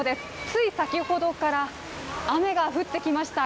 つい先ほどから雨が降ってきました。